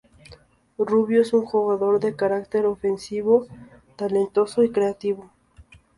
Rubio es un jugador de carácter ofensivo, talentoso y creativo.